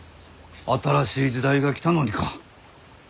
新しい時代が来たのにか？